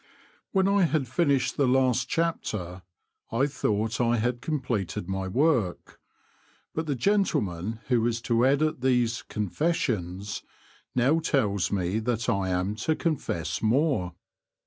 HE7^ I had finished the last chapter I thought I had completed my work, but the gentleman who is to edit these '^ Confessions " now tells me that I am to confess more.